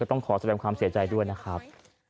ต้องขอแสดงความเสียใจด้วยนะครับ